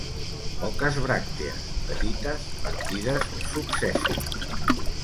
Poques bràctees, petites, partides, subsèssils.